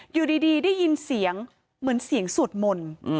อยู่ดีได้ยินเสียงเหมือนเสียงสวดมนต์